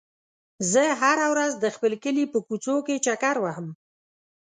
زه هره ورځ د خپل کلي په کوڅو کې چکر وهم.